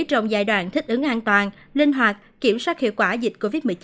trong giai đoạn thích ứng an toàn linh hoạt kiểm soát hiệu quả dịch covid một mươi chín